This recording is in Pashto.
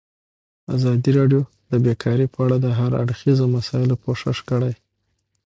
ازادي راډیو د بیکاري په اړه د هر اړخیزو مسایلو پوښښ کړی.